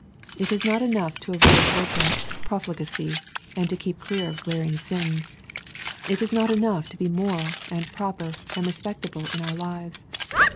It is not enough to avoid open profligacy, and to keep clear of glaring sins. It is not enough to be moral, and proper, and respectable in our lives.